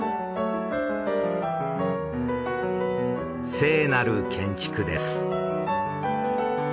聖なる建築です。